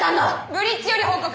ブリッジより報告！